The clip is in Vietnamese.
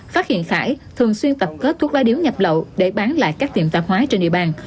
phát hiện khải thường xuyên tập kết thuốc lá điếu nhập lậu để bán lại các tiệm tạp hóa trên địa bàn